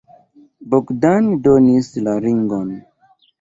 Bogdan donis la ringon.